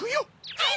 はい！